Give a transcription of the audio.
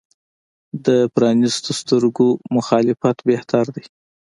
د پرانیستو سترګو مخالفت بهتر دی.